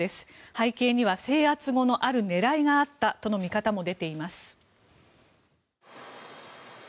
背景には制圧後のある狙いがあったとの見方も出ています。